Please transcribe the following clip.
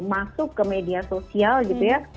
masuk ke media sosial gitu ya